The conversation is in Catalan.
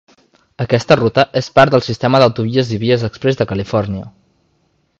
Aquesta ruta és part del Sistema d'Autovies i Vies Exprés de Califòrnia.